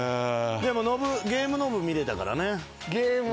でもゲームノブ見られたからね。